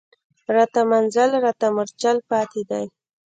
راته منزل راته مورچل پاتي دی